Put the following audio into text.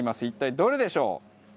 一体どれでしょう？